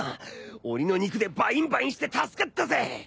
鬼の肉でバインバインして助かったぜ！